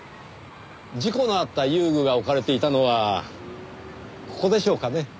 事故のあった遊具が置かれていたのはここでしょうかね？